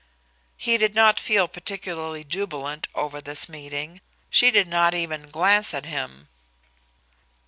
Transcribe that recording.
He did not feel particularly jubilant over this meeting; she did not even glance at him.